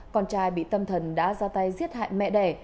con trai bị tâm thần đã ra tay giết hại mẹ đẻ